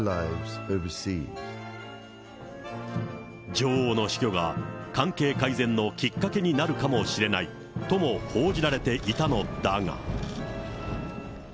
女王の死去が、関係改善のきっかけになるかもしれないとも報じられていたのだが。